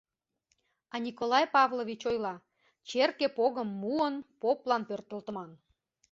А Николай Павлович ойла: черке погым, муын, поплан пӧртылтыман.